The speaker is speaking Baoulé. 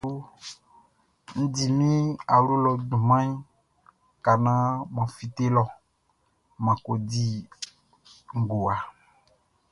N di min awlo lɔ junmanʼn ka naan mʼan fite lɔ mʼan ko di ngowa.